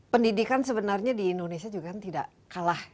pendidikan sebenarnya di indonesia juga kan tidak kalah